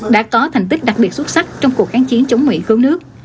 đã có thành tích đặc biệt xuất sắc trong cuộc kháng chiến chống mỹ cứu nước